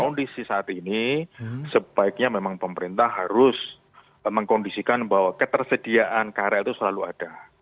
kondisi saat ini sebaiknya memang pemerintah harus mengkondisikan bahwa ketersediaan krl itu selalu ada